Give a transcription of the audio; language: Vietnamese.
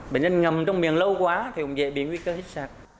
bệnh nhân ngầm trong miền lâu quá thì cũng dễ bị nguy cơ hít sạc